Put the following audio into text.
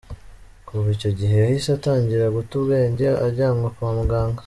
Kuva icyo gihe yahise atangira guta ubwenge ajyanwa kwa muganga.